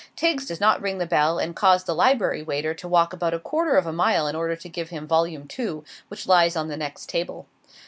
Tiggs does not ring the bell and cause the library waiter to walk about a quarter of a mile in order to give him Vol. II., which lies on the next table.